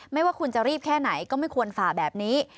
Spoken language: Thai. ไม่ว่าคุณจะรีบแค่ไหนก็ไม่ควรฝ่าแบบนี้